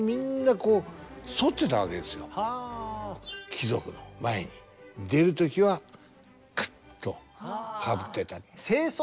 貴族の前に出る時はくっとかぶってた。